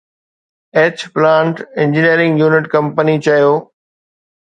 H plant engineering unit company چيو